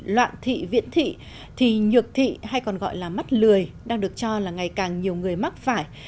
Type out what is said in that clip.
loạn thị viễn thị thì nhược thị hay còn gọi là mắt lười đang được cho là ngày càng nhiều người mắc phải